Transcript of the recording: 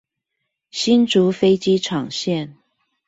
新竹飛機場線